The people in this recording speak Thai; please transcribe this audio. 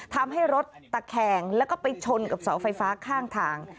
ทำให้รถตะแคงแล้วก็ไปชนกับเสาไฟฟ้าข้างทาง